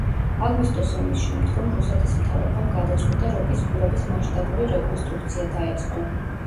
აგვისტოს ომის შემდგომ რუსეთის მთავრობამ გადაწყვიტა როკის გვირაბის მასშტაბური რეკონსტრუქცია დაეწყო.